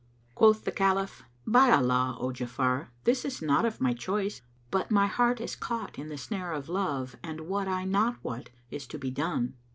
Quoth the Caliph, "By Allah, O Ja'afar, this is not of my choice; but my heart is caught in the snare of love and wot I not what is to be done!"